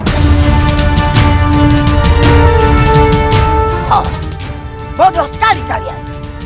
oh bodoh sekali kalian